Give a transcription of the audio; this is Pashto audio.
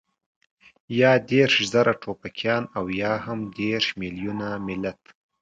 يا دېرش زره ټوپکيان او يا هم دېرش مېليونه ملت.